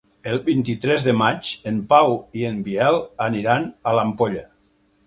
El vint-i-tres de maig en Pau i en Biel aniran a l'Ampolla.